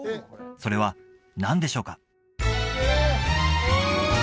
それは何でしょうか？